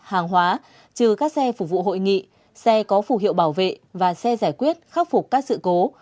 hàng hóa trừ các xe phục vụ hội nghị xe có phù hiệu bảo vệ và xe giải quyết khắc phục các sự cố